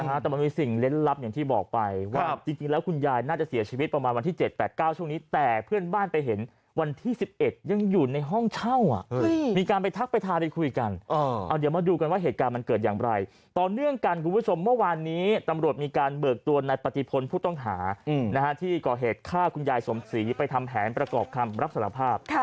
จริงแล้วคุณยายน่าจะเสียชีวิตประมาณวันที่๗๘๙ช่วงนี้แต่เพื่อนบ้านไปเห็นวันที่๑๑ยังอยู่ในห้องเช่าอ่ะมีการไปทักไปทาได้คุยกันเอาเดี๋ยวมาดูกันว่าเหตุการณ์มันเกิดอย่างไรต่อเนื่องการคุณผู้ชมเมื่อวานนี้ตำรวจมีการเบิกตัวในปฏิพลผู้ต้องหาที่ก่อเหตุฆ่าคุณยายสมศรีไปทำแผนประ